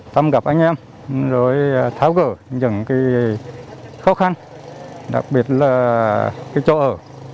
tâm gặp anh em rồi tháo gở những khó khăn đặc biệt là chỗ ở